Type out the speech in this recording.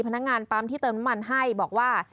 พนักงานปั๊มที่เติมน้ำมันให้บอกว่า